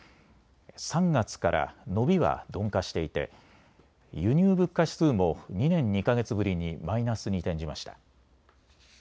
３月から伸びは鈍化していて輸入物価指数も２年２か月ぶりにマイナスに転じました。